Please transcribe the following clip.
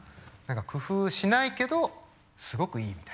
工夫しないけどすごくいいみたいな。